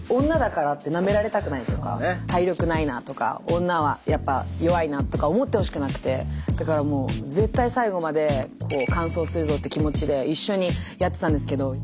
女だからってなめられたくないとか体力ないなとか女はやっぱ弱いなとか思ってほしくなくてだからもう絶対最後まで完走するぞって気持ちで一緒にやってたんですけど。